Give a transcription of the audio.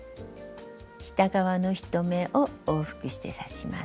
下側の１目を往復して刺します。